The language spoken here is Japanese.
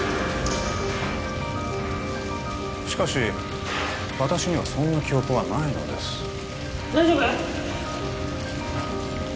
しかし私にはそんな記憶はないのです大丈夫！？